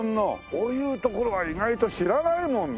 こういうところは意外と知らないもんね。